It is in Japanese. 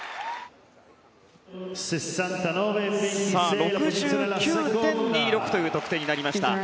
６９．２６という得点になりました。